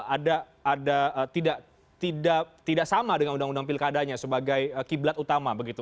ada ada tidak tidak tidak sama dengan undang undang pilkadanya sebagai kiblat utama begitu